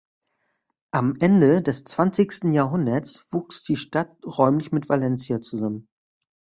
Am Ende des zwanzigsten Jahrhunderts wuchs die Stadt räumlich mit Valencia zusammen.